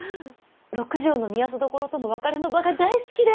六条の御息所との別れの場が大好きで！